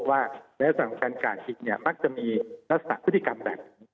ว่าในสถานการณ์อีกมักจะมีนักศึกษากฤทธิกรรมแบบ